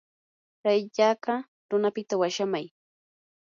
tsay yaqa runapita washaamay.